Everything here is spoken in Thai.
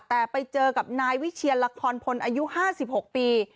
แต่ไปเจอกับนายวิเชียนละครพลอายุ๕๖ปี